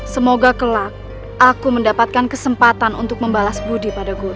semoga kelak aku mendapatkan kesempatan untuk membalas budi pada guru